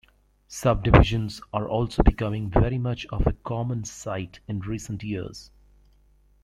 Subdivisions are also becoming very much of a common sight in recent years.